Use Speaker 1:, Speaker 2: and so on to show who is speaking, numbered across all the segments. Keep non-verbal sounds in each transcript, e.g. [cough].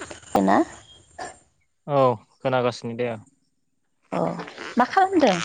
Speaker 1: बेना
Speaker 2: औ खोनागासिनो दे आं
Speaker 1: अ मा खालामदों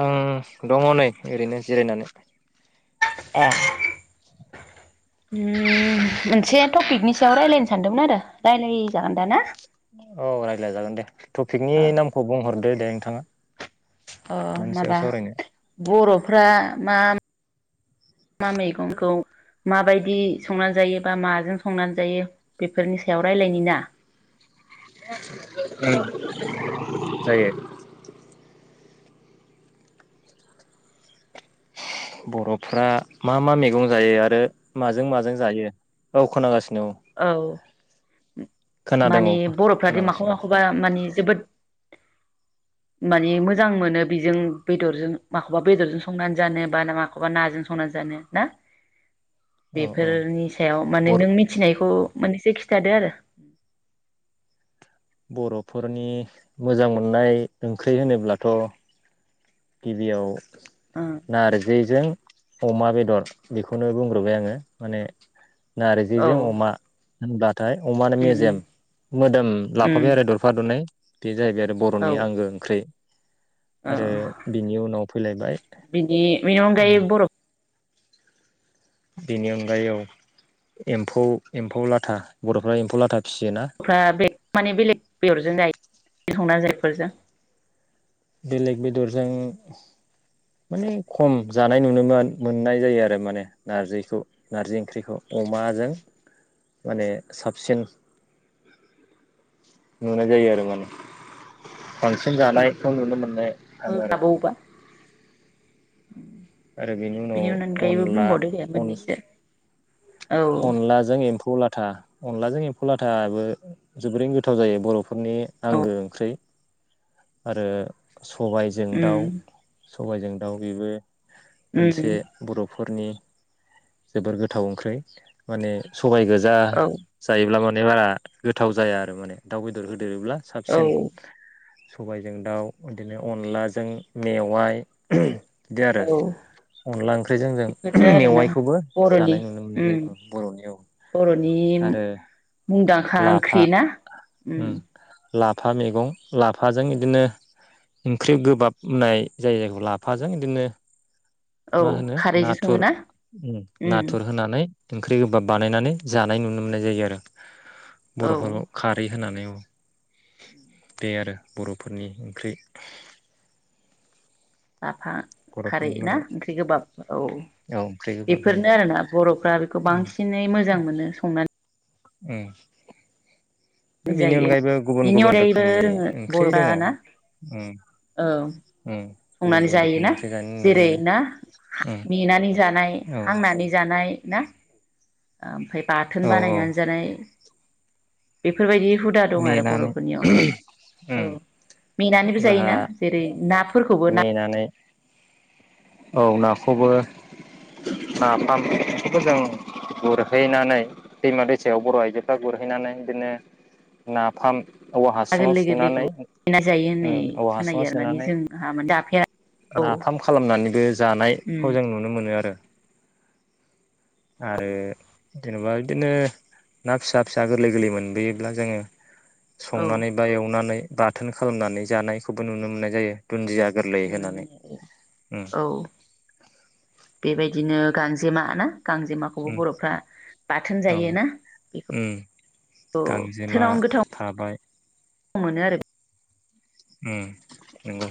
Speaker 2: आं दङ नै ओरैनो जिरायनानै
Speaker 1: ए हम मोनसे टपिकनि सायाव रायलायनो सानदोंमोन आरो रायलायजागोन दा ना
Speaker 2: औ रायलाय जागोन दे टपिकनि
Speaker 1: अ
Speaker 2: नामखौ बुंहरदो दे नोंथाङा
Speaker 1: अ
Speaker 2: मानि सायाव
Speaker 1: माबा
Speaker 2: सावरायनो
Speaker 1: बरफ्रा मा मा मा मैगंखौ माबायदि संनानै जायो बा माजों संनानै जायो बेफोरनि सायाव रायलायनि ना
Speaker 2: [unintelligible] औ जायो बर'फ्रा मा मा मैगं जायो आरो माजों माजों जायो औ खोनागासिनो
Speaker 1: औ
Speaker 2: खोनादों
Speaker 1: माने
Speaker 2: औ
Speaker 1: बर'फ्रादि माखौ
Speaker 2: खोनागासिनो
Speaker 1: माखौबा माने जोबोद माने मोजां मोनो बेजों बेदरजों माखौबा बेदरजों संनानै जानो बा माखौबा नाजों संनानै जानो ना
Speaker 2: औ औ
Speaker 1: बेफोरनि सायाव माने
Speaker 2: बर'
Speaker 1: नों मिथ मिथिनायखौ मोननैसे खिथादो आरो
Speaker 2: बर'फोरनि मोजां मोननाय ओंख्रि होनोब्लाथ' गिबियाव
Speaker 1: ओं
Speaker 2: नारजिजों अमा बेदर बेखौनो बुंग्रोबाय आङो माने नारजिजों
Speaker 1: औ
Speaker 2: अमा होनब्ला नाथाय अमा
Speaker 1: उम
Speaker 2: मेजेम मोदोम
Speaker 1: उम
Speaker 2: लाफाबाय आरो दरफा दरनै बे जाहैबाय आरो बर'नि
Speaker 1: ओ
Speaker 2: आंगो ओंख्रै
Speaker 1: औ
Speaker 2: बिनि उनाव फैलायबाय
Speaker 1: बिनि बेनि अनगायै
Speaker 2: [unintelligible]
Speaker 1: बर'फ्रा
Speaker 2: बेनि अनगायै औ एम्फौ एम्फौ लाथा बर'फ्रा एम्फौ लाथा फिसियोना
Speaker 1: फ्रा बे माने बेलेग बेदरजों जायो संना जायफोरजों
Speaker 2: बेलेग बेदरजों माने खम जानाय नुनो मो-मोननाय जायो आरो माने नारजिखौ नारजि ओंख्रिखौ अमाजों माने साबसिन नुनाय जायो आरो माने बांसिन जानाय [unintelligible] नुनो मोननाय
Speaker 1: [unintelligible]
Speaker 2: आरो बेनि उनाव
Speaker 1: अनगायैबो
Speaker 2: अनला
Speaker 1: बुंबावदो दे
Speaker 2: अन
Speaker 1: मोननैसो औ
Speaker 2: अनलाजों एम्फौ ला लाथा अनलाजों एम्फौ लाथाबो जोबोरैनो गोथाव जायो बरफो फोरनि
Speaker 1: औ
Speaker 2: आंगो ओंख्रै। आरो सबायजों
Speaker 1: उम
Speaker 2: दाउ सबायजों दाउ बेबो
Speaker 1: उम
Speaker 2: मोनसे बरफ फोरनि जोबोर गोथाव ओंख्रै माने स सबाय गोजा
Speaker 1: औ
Speaker 2: जायोब्ला मान नेबारा गोथाव जया आरो माने दाउ बेदर हो देरोब्ला
Speaker 1: औ
Speaker 2: साबसिन [unintelligible] सबायजों दाउ बिदिनो अनलाजों मेवाइ [unintelligible] बिदि
Speaker 1: औ
Speaker 2: आरो अनला ओंख्रिजों जों
Speaker 1: बेफोरनो
Speaker 2: [unintelligible]
Speaker 1: आरोना
Speaker 2: मेवाइ खौबो
Speaker 1: बर'नि
Speaker 2: जानाय नुनो मोननाय
Speaker 1: उम
Speaker 2: जायो बरनियाव औरो
Speaker 1: बर'नि
Speaker 2: आरो
Speaker 1: मुंदांखा
Speaker 2: लाफा।
Speaker 1: ओंख्रि ना उम
Speaker 2: लाफा मेगं लाफाजों इदिनो ओंख्रि गोबाब होननाय जाय जायखौ लाफाजों इदिनो
Speaker 1: औ खारैजों सङो ना?
Speaker 2: नाथुर होनानै ओंख्रि गोबाब बानायनानै जानाय नुनो मोननाय जायो आरो
Speaker 1: औ
Speaker 2: बरफोरखौ खारै होनानै औ [inaudible]
Speaker 1: [inaudible]
Speaker 2: [unintelligible] आरो बरफोरनि ओंख्रि।
Speaker 1: फा खारै
Speaker 2: बर'फोरनि
Speaker 1: ना
Speaker 2: मादाव
Speaker 1: ओंख्रि गोबाब औ
Speaker 2: औ ओंख्रि गोबाब होयो
Speaker 1: बेफोरनो आरोना बर'फ्रा बेखौ बांसिनै मोजां मोनो [unintelligible] संनानै
Speaker 2: उम बेनि
Speaker 1: जायो।
Speaker 2: अनगायैबो गुबुन
Speaker 1: बिनि
Speaker 2: गुबुन
Speaker 1: अनगायैबो
Speaker 2: रोखोमनि
Speaker 1: जोङो
Speaker 2: ओंख्रि
Speaker 1: बर'फ्रा
Speaker 2: दङ।
Speaker 1: ना औ
Speaker 2: गुबुन
Speaker 1: संनानै
Speaker 2: गुबुन
Speaker 1: जायो
Speaker 2: रोखोमनि
Speaker 1: ना
Speaker 2: ओंख्रि जानो नुनो
Speaker 1: जेरै ना
Speaker 2: मोनो
Speaker 1: मेनानै जानाय
Speaker 2: औ
Speaker 1: हांनानै जानाय ना? आमफाय बाथोन
Speaker 2: औ औ
Speaker 1: बानायनानै जानाय बेफोरबायदि हुदा दं आरो
Speaker 2: मेनानै
Speaker 1: बरफोरनियाव मेनानैबो
Speaker 2: जोंहा
Speaker 1: जायोना जेरै ना नाफोरखौबो
Speaker 2: मेनानै औ नाखौबो नाफामखौबो जों गुरहैनानै दैमा दैसायाव बर आइजोफ्रा गुरहैनानै बिदिनो नाफाम औवा
Speaker 1: [unintelligible]
Speaker 2: हासुङाव
Speaker 1: गोरलै
Speaker 2: सोनानै
Speaker 1: गोरलैखौ मेना जायो
Speaker 2: उम
Speaker 1: होननाय
Speaker 2: औवा हासुङाव
Speaker 1: खोनायो आरो माने
Speaker 2: सोनानै
Speaker 1: जों
Speaker 2: नाफाम खालामनानैबो जानायखौ
Speaker 1: उम
Speaker 2: जों नुनो मोनो। [unintelligible] आरो जेनेबा बिदिनो ना फिसा फिसा गोरलै गोरलै मोनबोयोब्ला जोङो
Speaker 1: औ
Speaker 2: संनानै बा एवनानै बाथोन खालामनानै जानायखौबो नुनो मोननाय जायो। दुन्दिया गोरलै होनानै
Speaker 1: [unintelligible]
Speaker 2: उम
Speaker 1: औ बेबायदिनो गांजेमा जेमा ना गांजेमाखौबो
Speaker 2: उम
Speaker 1: बरफ्रा बाथोन
Speaker 2: औ
Speaker 1: जायोना [unintelligible]
Speaker 2: उम गांजेमा
Speaker 1: थोनावनो गोथाव
Speaker 2: थाबाय
Speaker 1: मोनो आरो
Speaker 2: उम नंगौ।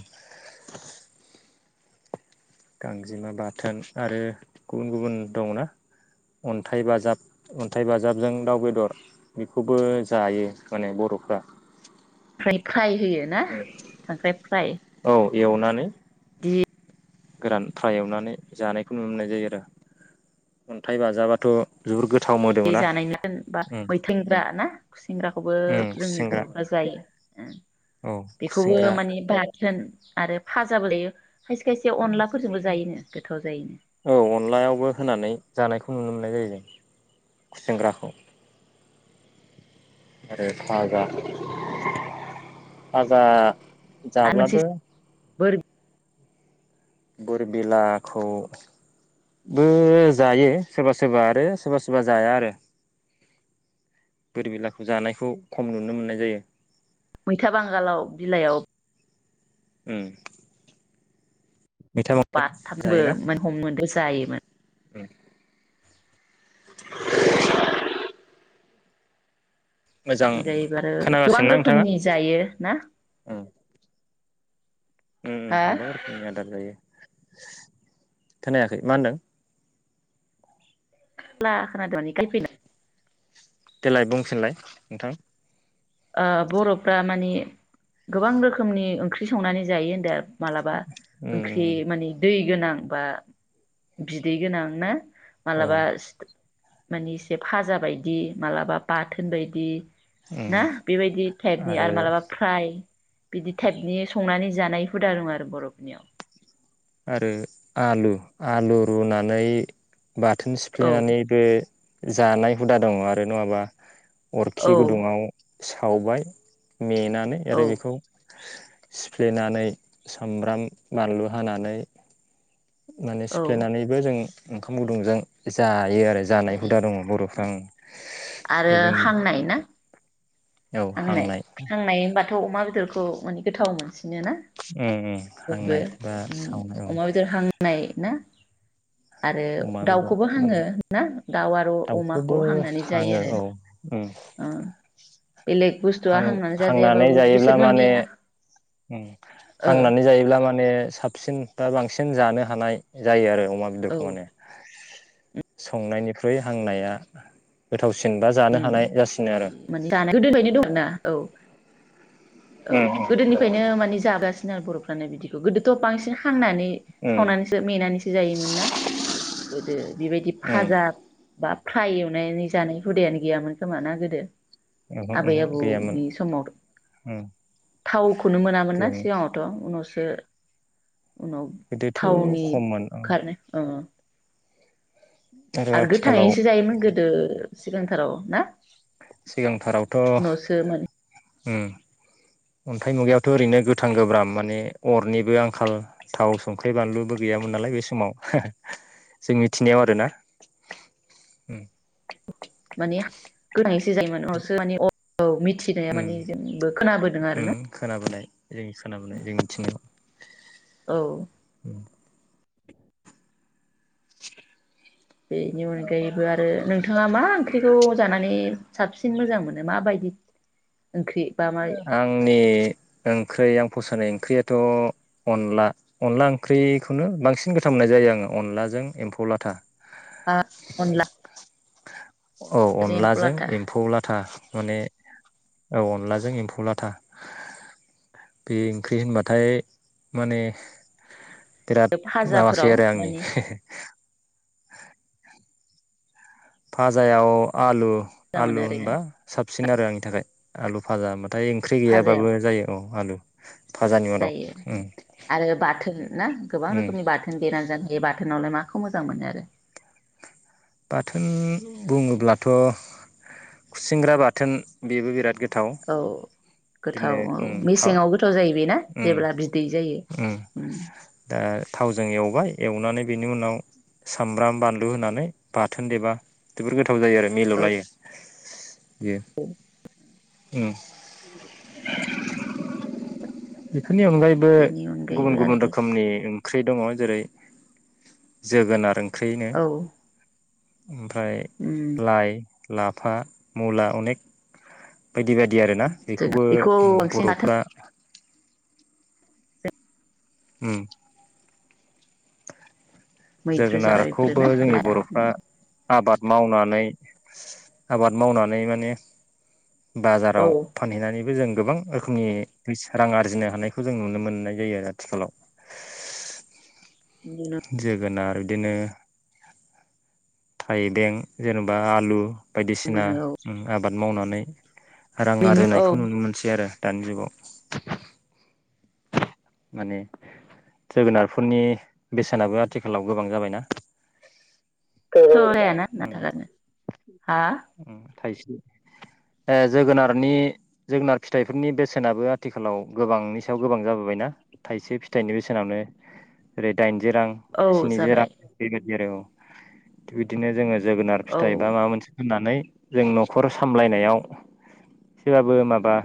Speaker 2: गांजेमा बाथोन आरो गुबुन गुबुन दंना अन्थाइ बाजाब अन्थाइ बाजाबजों दाउ बेदर बेखौबो जायो माने बरफ्रा।
Speaker 1: [unintelligible] फ्राय होयो ना खांख्राय फ्राय
Speaker 2: औ एवनानै
Speaker 1: [unintelligible]
Speaker 2: गोरान फ्राय एवनानै जानायखौ नुनो मोननाय जायो आरो अन्थाइ बाजाबाथ जोबोद गोथा
Speaker 1: जि जानाय [unintelligible] होनबा [unintelligible] खुसेंग्राखौबो
Speaker 2: उम
Speaker 1: जोंनि
Speaker 2: खुसेंग्रा
Speaker 1: बरफ्रा जायो
Speaker 2: औ
Speaker 1: बेखौबो
Speaker 2: खुसेंग्रा
Speaker 1: माने बाथोन आरो फाजाबो लायो। खायसे खायसे अनलाफोरजोंबो जायोनो। गोथाव जायो।
Speaker 2: औ अनलायावबो होनानै जानायखौ नुनो मोननाय जायो जों खुसेेंग्राखौ। आरो फाजा फाजा
Speaker 1: आरो मोनसे
Speaker 2: जाब्लाबो
Speaker 1: बोर
Speaker 2: बोरबिलाखौ बो जायो सोरबा सोरबा आरो सोरबा सोरबा जाया आरो बोरबिलाखौ जानायखौ खम नुनो मोननाय जायो।
Speaker 1: मैथा बांगालाव बिलाइयाव
Speaker 2: उम मैथा बांसिन
Speaker 1: बाथामबो
Speaker 2: जायोना
Speaker 1: [unintelligible] हमनोबो जायोमोन।
Speaker 2: उम मोजां
Speaker 1: [unintelligible] गोबां
Speaker 2: खोनागासिनोना नोंथाङा
Speaker 1: रोखोमनि जायो ना?
Speaker 2: उम उम उम
Speaker 1: हा
Speaker 2: गोबां रोखोमनि आदार जायो। खोनायाखै मा होनदों?
Speaker 1: [unintelligible] [unintelligible]
Speaker 2: देलाय बुंफिनलाय नोंथां
Speaker 1: ओ बरफ्रा माने गोबां रोखोमनि ओंख्रि संनानै जायो होनदों मालाबा ओंख्रि
Speaker 2: उम
Speaker 1: माने दै गोनां बा बिदै गोनां ना
Speaker 2: औ
Speaker 1: मालाबा माने इसे फाजा बायदि मालाबा बाथोन बायदि
Speaker 2: उम
Speaker 1: ना बेबायदि टाइपनि आरो मालाबा फ्राय बिदि टाइपनि संनानै जानाय हुदा दं आरो बरफोरनियाव।
Speaker 2: आरो आलु-आलु रुनानै बाथोन
Speaker 1: औ
Speaker 2: सिफ्लेनानैबो जानाय हुदा दङ आरो नङाबा अरखि
Speaker 1: औ
Speaker 2: गुदुङाव सावबाय मेनानै
Speaker 1: औ
Speaker 2: आरो बेखौ सिफ्लेनानै सामब्राम बानलु हानानै माने
Speaker 1: औ
Speaker 2: सिफ्लायनानैबो जों ओंखाम गुदुंजों जा इदि आरो जानाय
Speaker 1: जायो
Speaker 2: हुदा दङ बरफ्रा ओं।
Speaker 1: आरो
Speaker 2: बेजों
Speaker 1: हांनाय ना? हांनाय हांनाय होनबा [unintelligible] अमा बेदरखौ माने गोथाव मोनसि नो ना
Speaker 2: उम उम हांनाय
Speaker 1: [unintelligible]
Speaker 2: बा सावनाय औ
Speaker 1: अमा बेदर हांनाय ना? आरो
Speaker 2: अमा बेदर
Speaker 1: दाउखौबो
Speaker 2: उम
Speaker 1: हाङो ना दाउ आरो
Speaker 2: दाउखौबो
Speaker 1: अमाखौ हांनानै जायो
Speaker 2: हाङो
Speaker 1: आरो।
Speaker 2: औ उम
Speaker 1: [unintelligible] बुस्थुआ
Speaker 2: हां
Speaker 1: हांनानै जाजायाबाबो
Speaker 2: जायोब्ला
Speaker 1: बिसोर
Speaker 2: माने
Speaker 1: मोननैया
Speaker 2: हांनानै जायोब्ला माने साबसिन बा बांसिन जों जानो हानाय जायो आरो अमा
Speaker 1: औ
Speaker 2: बेदरखौ माने [unintelligible] संनायनिख्रुइ हांनाया गोथा
Speaker 1: उम माने [unintelligible] औ औ
Speaker 2: उम
Speaker 1: गोदोनिफ्रायनो माने जागासिनो आरो बरफ्रा [unintelligible] माने बिदिखौ गोदोथ बांसिन हांनानै
Speaker 2: उम उम
Speaker 1: सावनानैसो मेनानैसो जायोमोन ना गोदो बेबायदि
Speaker 2: उम
Speaker 1: फाजा बा फ्राय एवनानै जानाय हुदायानो गैयामोन खोमाना गोदो?
Speaker 2: ओहो
Speaker 1: आबै
Speaker 2: ओहो गैयामोन।
Speaker 1: आबौनि समाव थावखौनो मोनामोन ना
Speaker 2: गैयामोन
Speaker 1: सिगाङावथ। उनावसो उनाव
Speaker 2: गोदोथ'
Speaker 1: थावनि
Speaker 2: खममोन
Speaker 1: [unintelligible] आरो गोथाङैसो जायोमोन गोदो सिगांथाराव ना
Speaker 2: सिगांथारावथ
Speaker 1: उनावसो माने
Speaker 2: अन्थाइ मुगायावथ ओरैनो गोथां गोब्राम माने अरनिबो आंखाल थाव संख्रि बानलुबो गैयामोन नालाय बे समाव जों मिथिनायाव आरोना।
Speaker 1: माने [unintelligible] औ मिथिनाया
Speaker 2: उम
Speaker 1: माने जोंबो खोनाबोदों आरो ना
Speaker 2: उम खोनाबोनाय [unintelligible]
Speaker 1: औ
Speaker 2: [inaudible]
Speaker 1: बेनि अनगायैबो आरो नोंथाङा मा ओंख्रिखौ जानानै साबसिन मोजां मोनो माबायदि ओंख्रि बा मा
Speaker 2: आंनि ओंख्रै आं फसानाय ओंख्रियाथ अनला अनला ओंख्रिखौनो बांसिन गोथाव मोननाय जायो आङो अनलाजों एम्फौ लाथा।
Speaker 1: ओ अनला
Speaker 2: औ अनलाजों एम्फौ लाथा। माने औ अनलाजों एम्फौ लाथा बे ओंख्रि होनबाथाय माने बिराद माबासै
Speaker 1: फाजाफोराव
Speaker 2: आरो आंनि
Speaker 1: माने
Speaker 2: फाजायाव आलु
Speaker 1: मोजां मोनो
Speaker 2: आलु
Speaker 1: ओरैनो
Speaker 2: होनबा साब सिन आरो आंनि थाखाय आलु फाजा जाय ओंख्रि
Speaker 1: फाजायाव
Speaker 2: गैयाबाबो जायो। फाजानि उनाव
Speaker 1: जायो
Speaker 2: उम
Speaker 1: आरो बाथोन ना गोबां
Speaker 2: उम
Speaker 1: रोखोमनि बाथोन देना जानो हायो बा [unintelligible] माखौ मोजां मोनो आरो?
Speaker 2: बाथोन बुङोब्लाथ' खुसेंग्रा बाथोन बेबो बिराद गो
Speaker 1: औ गोथाव औ
Speaker 2: था
Speaker 1: मेसेङाव गोथाव जायो बे बेना
Speaker 2: उम
Speaker 1: जेब्ला बिदै
Speaker 2: उम
Speaker 1: जायो
Speaker 2: दा थावजों एवबाय एवनानै बेनि उनाव सामब्राम बानलु होनानै बाथोन देबा जोबोर गोथाव जायो आरो
Speaker 1: औ
Speaker 2: मिलौलायो बियो
Speaker 1: [unintelligible]
Speaker 2: [unintelligible] बेफोरनि अनगायैबो
Speaker 1: बेनि अनगायैबो
Speaker 2: गुबुन गुबुन
Speaker 1: आरो
Speaker 2: रोखोमनि जों ओंख्रि दङ जेरै जोगोनार ओं ख्रिनो
Speaker 1: औ
Speaker 2: ओमफ्राय
Speaker 1: उम
Speaker 2: लाइ लाफा मुला अनेग बायदि बायदि आरोना
Speaker 1: जों
Speaker 2: बेखौबो
Speaker 1: बेखौ
Speaker 2: ओ
Speaker 1: बांसिन बाथोन
Speaker 2: बर'फ्रा उम
Speaker 1: मैद्रु जाबाय बेफोरो
Speaker 2: जोगोनारखौबो
Speaker 1: ना
Speaker 2: जोंनि
Speaker 1: लाया
Speaker 2: बर'फ्रा आबाद मावनानै आबाद मावनानै माने
Speaker 1: औ
Speaker 2: बाजाराव फानहैनानैबो जों गोबां रोखोमनि फैसा रां आरजिनो हानायखौ जों नुनो मोननाय जायो आरो आथिखालाव [unintelligible]
Speaker 1: नुनो
Speaker 2: जोगोनाथ आरो बिदिनो थाइबें जेन'बा आलु बायदिसिना
Speaker 1: मोनो औ
Speaker 2: उम आ आबाद मावनानै रां
Speaker 1: बेनि
Speaker 2: आरजिनायखौ
Speaker 1: औथ'
Speaker 2: नुनो मोनसै आरो दानि जुगाव [unintelligible] माने जोगोनारफोरनि बेसेनाबो आथिखालाव गोबां जाबायना उम
Speaker 1: [unintelligible] हा
Speaker 2: उम ओ थाइसे जोगोनारनि जोगोनार फिथाइफोरनि बेसेनाबो आथिखालाव गोबांनि सायाव गोबां जाबोबायना थाइसे फिथाइनि बेसेनावनो रे जि रां
Speaker 1: औ
Speaker 2: स्निजि रां
Speaker 1: जाबाय
Speaker 2: [unintelligible] [unintelligible] औ थिग बिदिनो जोङो जोगोनार
Speaker 1: औ
Speaker 2: फिथाइ बा माबा मोनसे फाननानै जों नखर सामलायनायाव एसेबाबो माबा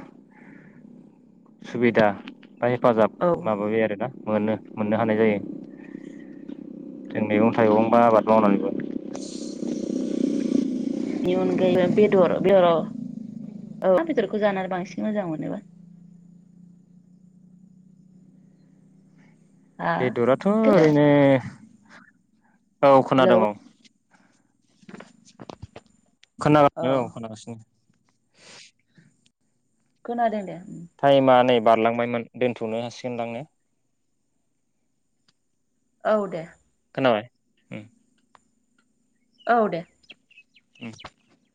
Speaker 2: सुबिदा आमफाय हेफाजाब
Speaker 1: औ
Speaker 2: माबाबाय आरोना मोनो मोननो हानाय जायो जों मैगं थाइगं बा आबाद मावनानैबो [unintelligible]
Speaker 1: बेनि अनगायै बेदर बेदर औ [unintelligible] मा बेदरखौ जानानै बांसिन मोजां मोनोबा हा
Speaker 2: बेदराथ‌'
Speaker 1: हेल'
Speaker 2: ओरैनो औ
Speaker 1: हेलौ
Speaker 2: खोनादों औ खोनागासिनो औ खोनागासिनो
Speaker 1: खोनादों दे
Speaker 2: टाइमा नै बारलांबायमोन दोनथ'नो हासिगोनदां ने
Speaker 1: औ दे
Speaker 2: खोनाबाय उम
Speaker 1: औ दे
Speaker 2: ओम